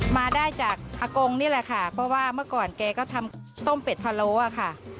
มาได้จากอากงนี่แหละค่ะเพราะว่าเมื่อก่อนแกก็ทำต้มเป็ดพะโล้อะค่ะ